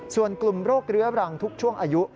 ส่วนกลุ่มโรคเรื้อรังทุกช่วงอายุ